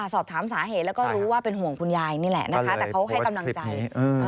สอบถามสาเหตุแล้วก็รู้ว่าเป็นห่วงคุณยายนี่แหละนะคะ